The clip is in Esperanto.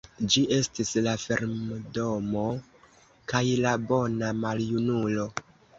Ĝi estis la farmdomo kaj la bona maljunulo.